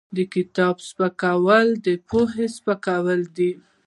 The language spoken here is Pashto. د کتاب سپکاوی د پوهې سپکاوی دی.